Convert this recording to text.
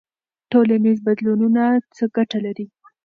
ټولنیز بدلونونه څه ګټه لري؟